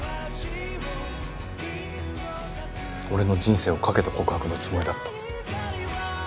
俺の人生を懸けた告白のつもりだった。